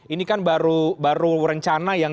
ini kan baru rencana yang